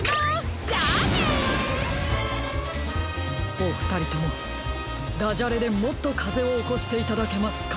おふたりともだじゃれでもっとかぜをおこしていただけますか？